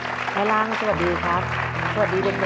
ก็คืออีกวิธีหนึ่งที่พวกเขาจะพาครอบครัวมาใช้โอกาสแก้วิกฤตในชีวิตด้วยกัน